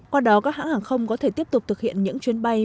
qua đó các hãng hàng không có thể tiếp tục thực hiện những chuyến bay